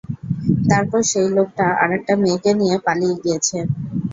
তারপর সেই লোকটা আরেকটা মেয়েকে নিয়ে পালিয়ে গিয়েছে!